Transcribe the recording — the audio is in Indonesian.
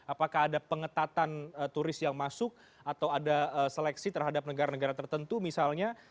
apakah ada pengetatan turis yang masuk atau ada seleksi terhadap negara negara tertentu misalnya